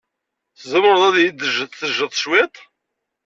Tzemreḍ ad iyi-d-tejjeḍ cwiṭ?